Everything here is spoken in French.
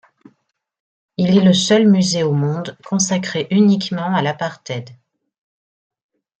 Il est le seul musée au monde consacré uniquement à l'apartheid.